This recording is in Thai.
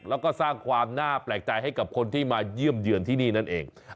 แล้วก็สร้างความน่าแปลกใจให้กับคนที่มาเยี่ยมเยือนที่นี่นั่นเอง